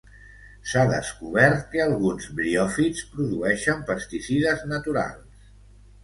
S'ha descobert que alguns briòfits produeixen pesticides naturals.